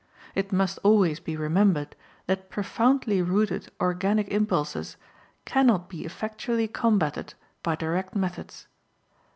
It must always be remembered that profoundly rooted organic impulses cannot be effectually combated by direct methods.